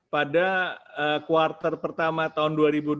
pada kuartal pertama tahun dua ribu dua puluh